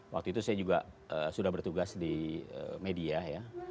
waktu itu saya juga sudah bertugas di media ya